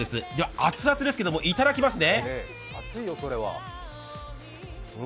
熱々ですがいただきますね。